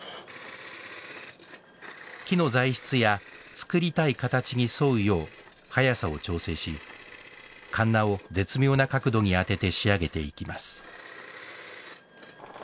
木の材質や作りたい形に沿うよう速さを調整しかんなを絶妙な角度に当てて仕上げていきます